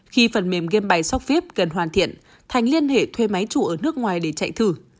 khi phần mềm game bài socvip gần hoàn thiện thành liên hệ thuê máy chủ ở nước ngoài để chạy thử